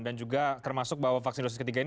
dan juga termasuk bahwa vaksin dosis ketiga ini